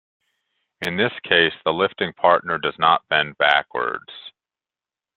In this case, the lifting partner does not bend backwards.